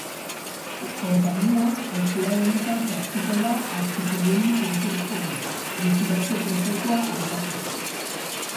Konpainia ostiral honetan sartuko da hartzekodunen konkurtsoan, likidazio prozesua abiatzeko.